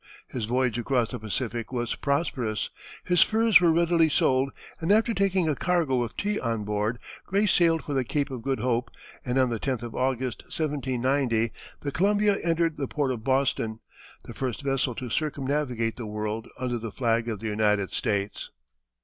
His voyage across the Pacific was prosperous, his furs were readily sold, and after taking a cargo of tea on board, Gray sailed for the Cape of Good Hope, and on the 10th of August, 1790, the Columbia entered the port of Boston, the first vessel to circumnavigate the world under the flag of the United States.